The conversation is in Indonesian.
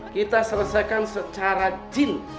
kita selesaikan secara jin